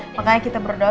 makanya kita berdoa